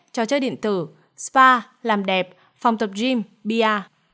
trò chơi điện tử spa làm đẹp phòng tập gym bia